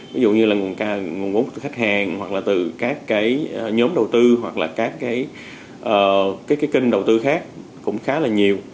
ví dụ như là nguồn vốn từ khách hàng hoặc là từ các nhóm đầu tư hoặc là các kênh đầu tư khác cũng khá là nhiều